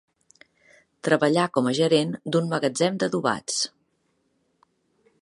Treballà com a gerent d'un magatzem d'adobats.